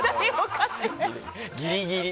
ギリギリ。